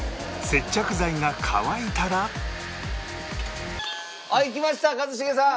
接着剤が乾いたらはいきました一茂さん。